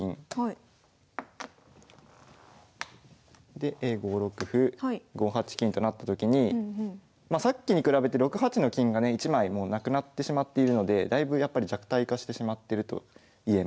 で５六歩５八金となった時にさっきに比べて６八の金がね１枚もうなくなってしまっているのでだいぶやっぱり弱体化してしまってるといえます。